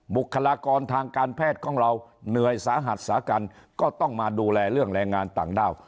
บุคลากรทางการแพทย์ของเราเหนื่อยสาหัสสากันก็ต้องมาดูแลเรื่องแรงงานต่างด้าว